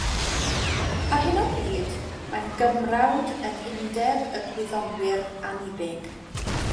Ar hyn o bryd, mae'n gymrawd yn Undeb y Gwyddonwyr Anniddig.